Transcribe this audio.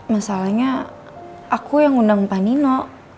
masalahnya aku yang undang pak nino